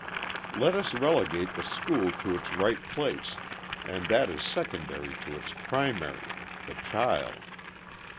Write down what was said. Let us relegate the school to its right place, and that is secondary to its primary, the child.